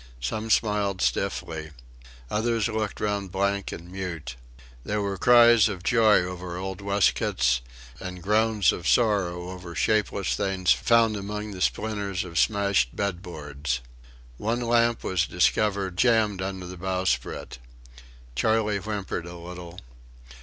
Some smiled stiffly. Others looked round blank and mute. There were cries of joy over old waistcoats, and groans of sorrow over shapeless things found among the splinters of smashed bed boards. One lamp was discovered jammed under the bowsprit. Charley whimpered a little.